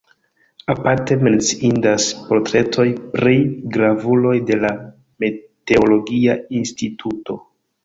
Aparte menciindas portretoj pri gravuloj de la meteologia instituto.